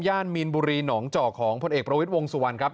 มีนบุรีหนองจอกของพลเอกประวิทย์วงสุวรรณครับ